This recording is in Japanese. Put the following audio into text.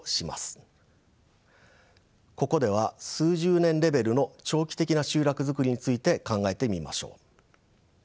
ここでは数十年レベルの長期的な集落づくりについて考えてみましょう。